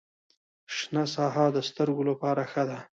شنه ساحه د سترګو لپاره ښه ده